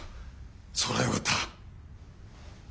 それはよかった。